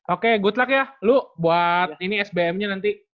oke good luck ya lu buat ini sbm nya nanti